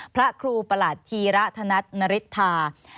พระครูประหลัดธีระธนัทนริธา